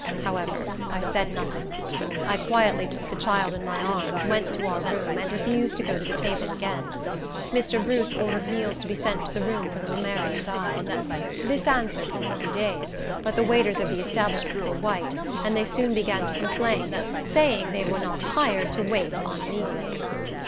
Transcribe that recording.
However, I said nothing. I quietly took the child in my arms, went to our room, and refused to go to the table again. Mr. Bruce ordered meals to be sent to the room for little Mary and I. This answered for a few days; but the waiters of the establishment were white, and they soon began to complain, saying they were not hired to wait on negroes.